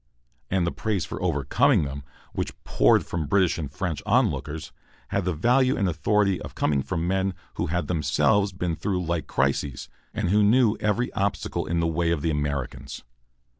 And the praise for overcoming them which poured from British and French onlookers had the value and authority of coming from men who had themselves been through like crises, and who knew every obstacle in the way of the Americans.